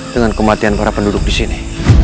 dengan kematian para penduduk disini